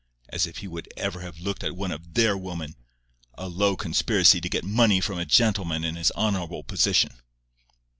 As if he would ever have looked at one of THEIR women! A low conspiracy to get money from a gentleman in his honourable position!"